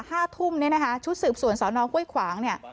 ห้าทุ่มเนี่ยนะคะชุดสืบสวนสอนองห้วยขวางเนี่ย